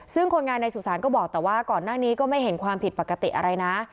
ซึ่งคนงานในสุสานก็บอกแต่ว่าก่อนหน้านี้ก็ไม่เห็นความผิดปกติอะไรนะ